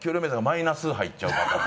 マイナス入っちゃうパターン。